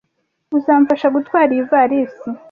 Uzamfasha gutwara iyi ivalisi?